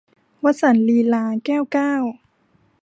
วสันต์ลีลา - แก้วเก้า